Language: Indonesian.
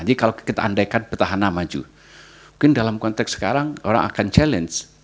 jadi kalau kita andaikan petahana maju mungkin dalam konteks sekarang orang akan challenge